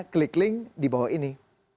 klik link di bawah ini